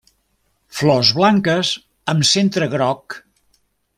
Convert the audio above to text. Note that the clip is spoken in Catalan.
Flors blanques amb centre groc.